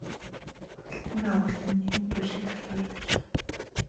Худалдан авагч нь нэгэн булиа залуу эр байлаа.